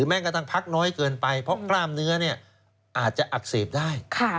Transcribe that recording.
แม่งกำลังพักเนื้อไปเกินไปเพราะกล้ามเนื้อเนี่ยจะอักเสบได้